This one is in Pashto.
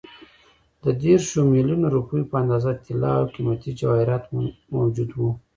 د دېرشو میلیونو روپیو په اندازه طلا او قیمتي جواهرات موجود وو.